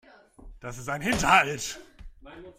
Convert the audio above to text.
Das ist ein Hinterhalt.